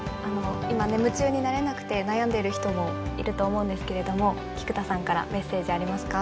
今夢中になれなくて悩んでいる人もいると思うんですけれども菊田さんからメッセージありますか？